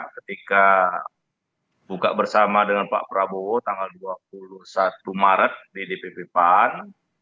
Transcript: ketika buka bersama dengan pak prabowo tanggal dua puluh satu maret di dpp pan